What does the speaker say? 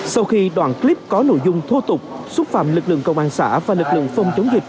sau khi đoạn clip có nội dung thô tục xúc phạm lực lượng công an xã và lực lượng phòng chống dịch